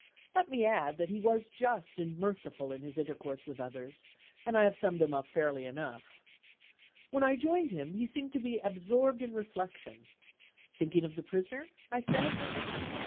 Let me add that he was just and merciful in his intercourse with others, and I shall have summed him up fairly enough. When I joined him he seemed to be absorbed in reflection. "Thinking of the Prisoner?" I said.